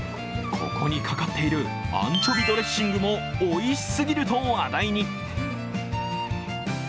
ここにかかっているアンチョビドレッシングもおいしすぎると話題に。